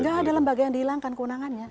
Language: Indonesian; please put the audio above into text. gak ada lembaga yang dihilangkan kewenangannya